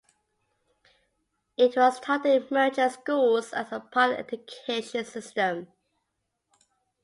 It was taught in merchant schools as part of the education system.